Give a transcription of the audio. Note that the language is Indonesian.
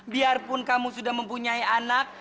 biarpun kamu sudah mempunyai anak